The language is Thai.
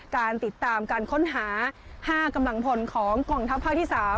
การติดตามการค้นหา๕กำลังพลของกองทัพภาคที่๓